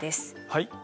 はい。